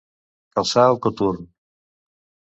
Calçar el coturn.